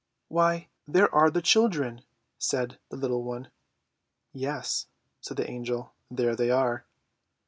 "Why, there are the children!" said the little one. "Yes," said the Angel; "there they are."